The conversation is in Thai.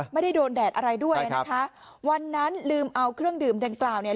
ไม่ได้โดนแดดอะไรด้วยนะคะวันนั้นลืมเอาเครื่องดื่มดังกล่าวเนี่ย